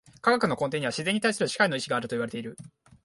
科学の根底には自然に対する支配の意志があるといわれている。